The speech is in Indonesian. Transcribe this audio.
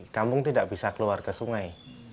kampung tidak bisa keluar ke sungai